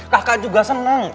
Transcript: kakak juga seneng